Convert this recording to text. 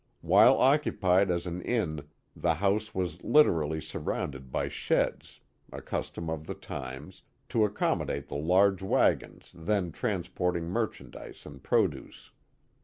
While occupied as an inn the house was literally surrounded by sheds — a custom of the times — to accommodate the large wagons then transporting merchandise and produce.